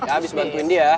abis bantuin dia